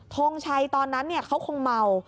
ทงชัยตอนนั้นเขาคงเมา